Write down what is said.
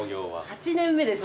８年目です。